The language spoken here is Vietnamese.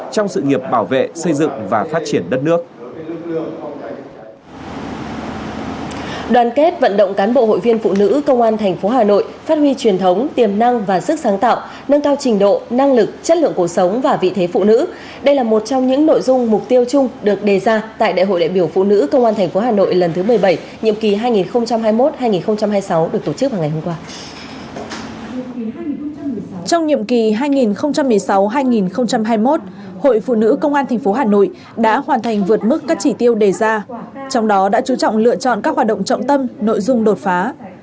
trong nhiệm kỳ hai nghìn một mươi sáu hai nghìn hai mươi một hội phụ nữ công an tp hà nội đã hoàn thành vượt mức các chỉ tiêu đề ra trong đó đã chú trọng lựa chọn các hoạt động trọng tâm nội dung đột phá